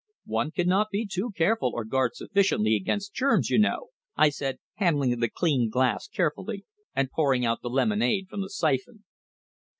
"One cannot be too careful, or guard sufficiently against germs, you know," I said, handling the clean glass carefully and pouring out the lemonade from the syphon.